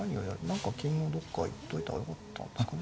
何か金をどっか行っといた方がよかったんですかね？